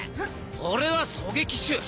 俺は狙撃手。